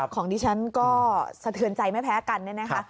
ของดิฉันก็สะเทือนใจไม่แพ้กันเนี่ยนะคะ